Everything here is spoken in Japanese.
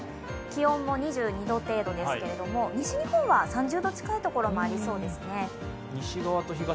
気温も２２度程度ですけれども、西日本は３０度近いところもありそうですね。